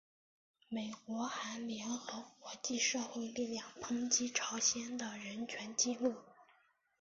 美国还联合国际社会力量抨击朝鲜的人权纪录。